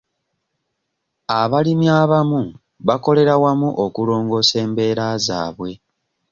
Abalimi abamu bakolera wamu okulongoosa embeera zaabwe.